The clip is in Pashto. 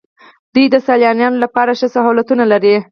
دوی د سیلانیانو لپاره ښه سهولتونه لري.